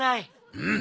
うん。